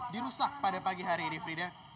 dirusak pada pagi hari ini frida